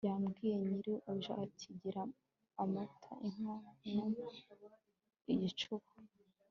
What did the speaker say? yabwiye nyirabuja ati gira amata inkono igicuba